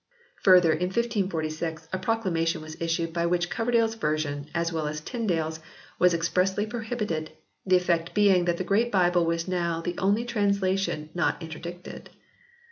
Further, in 1546 a proclamation was issued by which Coverdale s version as well as Tyndale s was expressly prohibited, the effect being that the Great Bible was now the only translation not inter dicted.